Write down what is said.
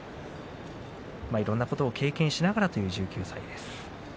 いろいろなことを経験しながらという１９歳です。